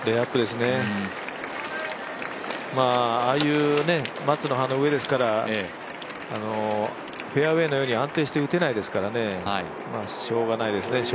ああいう松の葉の上ですからフェアウエーの上に安定して打てないですからしょうがないですね。